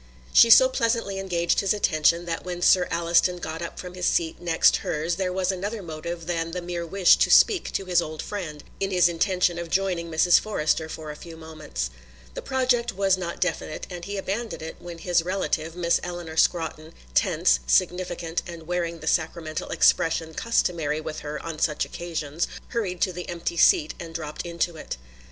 She so pleasantly engaged his attention that when Sir Alliston got up from his seat next hers there was another motive than the mere wish to speak to his old friend in his intention of joining Mrs. Forrester for a few moments. The project was not definite and he abandoned it when his relative, Miss Eleanor Scrotton, tense, significant and wearing the sacramental expression customary with her on such occasions, hurried to the empty seat and dropped into it.